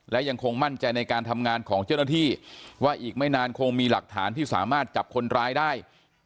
และยังคงมั่นใจในการทำงานของเจ้าหน้าที่ว่าอีกไม่นานคงมีหลักฐานที่สามารถจับคนร้ายได้